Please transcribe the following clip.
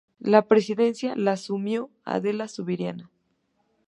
La presidencia la asumió Adela Subirana.